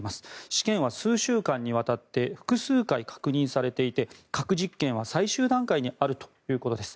試験は数週間にわたって複数回確認されていて核実験は最終段階にあるということです。